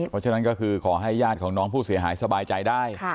เพราะฉะนั้นก็คือขอให้ญาติของน้องผู้เสียหายสบายใจได้